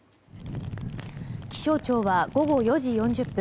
気象庁は午後４時４０分